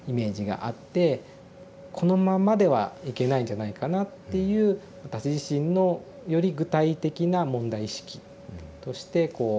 「このまんまではいけないんじゃないかな」っていう私自身のより具体的な問題意識としてこう残って。